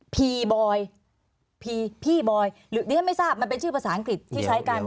พี่บอยพีพี่บอยหรือดิฉันไม่ทราบมันเป็นชื่อภาษาอังกฤษที่ใช้กัน